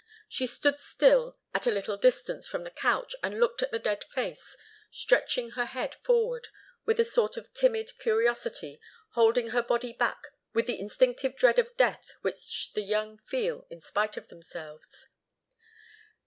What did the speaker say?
She stood still at a little distance from the couch and looked at the dead face, stretching her head forward with a sort of timid curiosity, holding her body back with the instinctive dread of death which the young feel in spite of themselves.